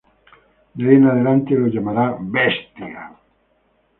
De ahí en adelante lo llamará "Bestia".